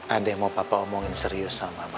ada yang mau papa omongin serius sama bapak